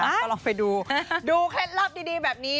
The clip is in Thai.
ก็ลองไปดูดูเคล็ดลับดีแบบนี้